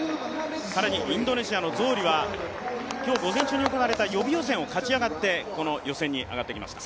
更にインドネシアのゾーリは今日の午前中に行われた予備予選を勝ち上がって、この予選に上がってきました。